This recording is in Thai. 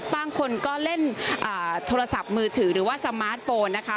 บางคนก็เล่นโทรศัพท์มือถือหรือว่าสมาร์ทโฟนนะคะ